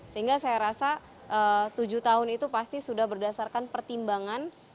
sehingga saya rasa tujuh tahun itu pasti sudah berdasarkan pertimbangan